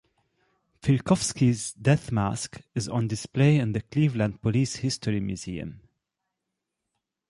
Filkowski's death mask is on display in the Cleveland Police History Museum.